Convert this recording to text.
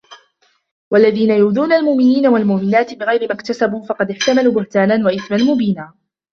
وَالَّذينَ يُؤذونَ المُؤمِنينَ وَالمُؤمِناتِ بِغَيرِ مَا اكتَسَبوا فَقَدِ احتَمَلوا بُهتانًا وَإِثمًا مُبينًا